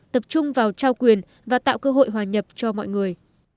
tập trung vào trao quyền và tạo cơ hội hòa nhập cho mọi người